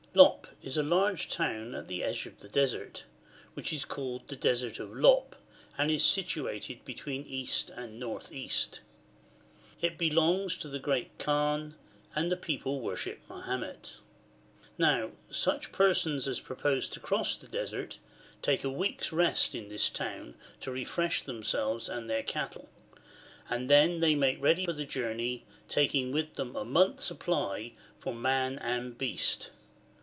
Lop is a large town at the edge of the Desert, which is called the Desert of Lop, and is situated between east and north east. It belongs to the Great Kaan, and the people worship Mahommet. Now, such persons as propose to cross the Desert take a week's rest in this town to refresh themselves and their cattle ; and then they make ready for the journey, taking with them a month's supply for man and beast.